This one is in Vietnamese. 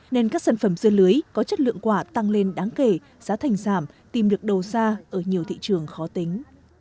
nên các sản phẩm dưa lưới có chất lượng quả tăng lên đáng kể giá thành giảm tìm được đầu ra ở nhiều thị trường khó tính